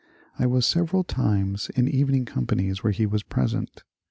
I was several times in evening companies whete he was present.